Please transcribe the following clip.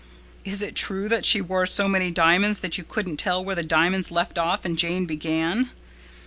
"Is it true that she wore so many diamonds that you couldn't tell where the diamonds left off and Jane began?"